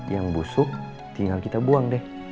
yang busuk tinggal kita buang deh